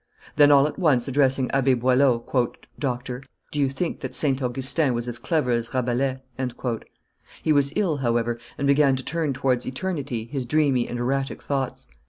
Then all at once addressing Abbe Boileau, "Doctor, do you think that St. Augustin was as clever as Rabelais?" He was ill, however, and began to turn towards eternity his dreamy and erratic thoughts.